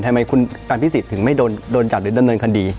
ทำไมคุณอภิษฎถึงไม่โดนจับหรือดำเนินคดี